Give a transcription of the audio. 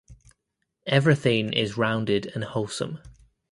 Everything is rounded and wholesome.